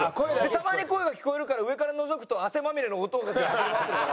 たまに声が聞こえるから上からのぞくと汗まみれの男たちが走り回ってるから。